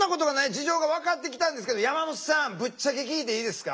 事情が分かってきたんですけど山本さんぶっちゃけ聞いていいですか？